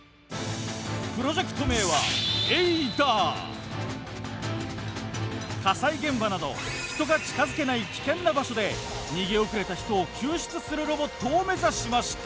プロジェクト名は火災現場など人が近づけない危険な場所で逃げ遅れた人を救出するロボットを目指しました。